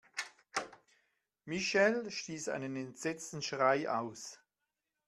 Michelle stieß einen entsetzten Schrei aus.